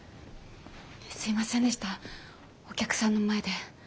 すいませんでしたお客さんの前で。